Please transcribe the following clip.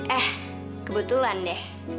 eh kebetulan deh